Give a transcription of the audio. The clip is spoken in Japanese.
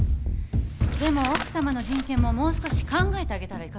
でも奥さまの人権ももう少し考えてあげたらいかがです？